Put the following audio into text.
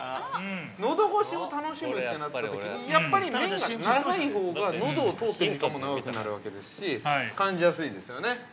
のどごしを楽しむってなったときにやっぱり麺が長いほうがのどを通っている時間も長くなるわけですし感じやすいですよね。